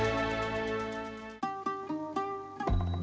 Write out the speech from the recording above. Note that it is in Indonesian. mereka bisa melihat keadaan mereka sendiri